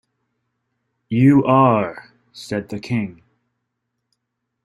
‘You are,’ said the King.